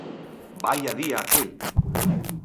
Vaia día aquel!